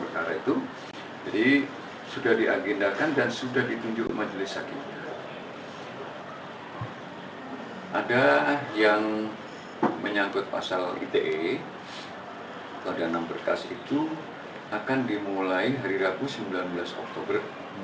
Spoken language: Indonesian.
kasus itu akan dimulai hari rabu sembilan belas oktober